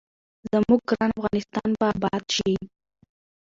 زموږ ګران افغانستان به اباد شي.